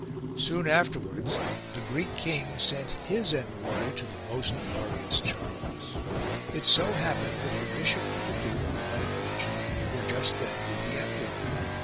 Soon afterwards the Greek king sent his envoy to the most glorious Charles. It so happened that the bishop and the duke whom I have mentioned were just then with the emperor.